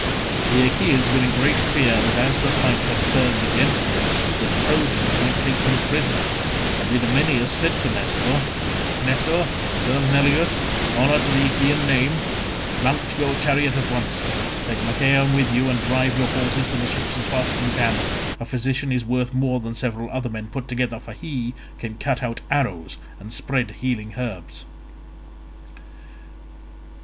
The Achaeans were in great fear that as the fight had turned against them the Trojans might take him prisoner, and Idomeneus said to Nestor, "Nestor son of Neleus, honour to the Achaean name, mount your chariot at once; take Machaon with you and drive your horses to the ships as fast as you can. A physician is worth more than several other men put together, for he can cut out arrows and spread healing herbs."